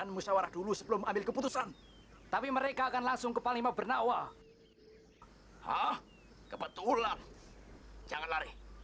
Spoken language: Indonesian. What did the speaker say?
kisah kita dalam bahaya